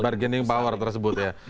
bargaining power tersebut ya